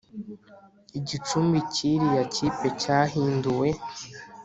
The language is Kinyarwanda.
igicumbi cyiriya kipe cyahinduwe